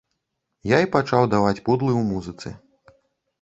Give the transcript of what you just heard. Я і пачаў даваць пудлы ў музыцы.